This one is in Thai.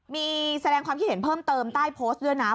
มีแสดงความคิดเห็นเพิ่มเติมใต้โพสต์ด้วยนะ